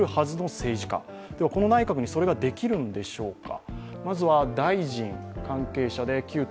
この内閣にそれができるんでしょうか。